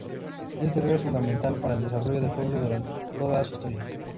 Este río es fundamental para el desarrollo del pueblo durante toda su historia.